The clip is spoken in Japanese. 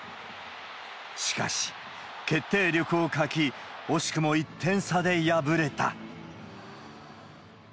しかし、決定力を欠き、惜しくも１点差で敗れた。